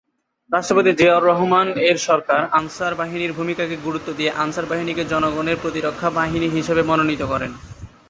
রাষ্ট্রপতি জিয়াউর রহমান এর সরকার আনসার বাহিনীর ভূমিকাকে গুরুত্ব দিয়ে আনসার বাহিনীকে "জনগণের প্রতিরক্ষা বাহিনী" হিসেবে মনোনীত করেন।।